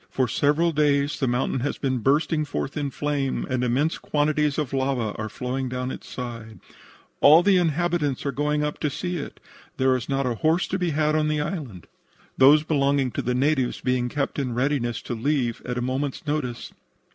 For several days the mountain has been bursting forth in flame and immense quantities of lava are flowing down its sides. "All the inhabitants are going up to see it. There is not a horse to be had on the island, those belonging to the natives being kept in readiness to leave at a moment's notice.